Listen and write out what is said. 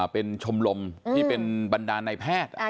เป็นชมรมที่เป็นบรรดาลในแพทย์